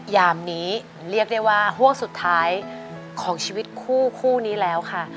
ยามนี้เรียกได้ว่าห่วงสุดท้ายของชีวิตคู่คู่นี้แล้วค่ะ